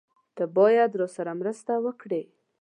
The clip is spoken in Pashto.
تۀ باید راسره مرسته وکړې!